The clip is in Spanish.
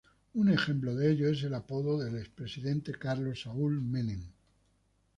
Un ejemplo de ello es el apodo del expresidente Carlos Saúl Menem.